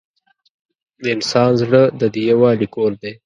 د انسان زړه د دې یووالي کور دی.